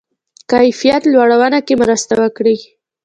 کیفیت لوړونه کې مرسته وکړي.